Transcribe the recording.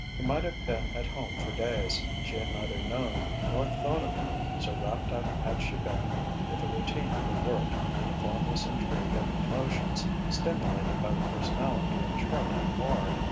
He might have been at home for days: she had neither known nor thought of him, so wrapped up had she been with the routine of her work and the formless intrigue of emotions stimulated by the personality of Charlie Quard.